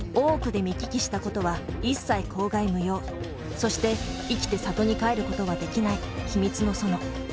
そして生きて郷に帰ることはできない秘密の園。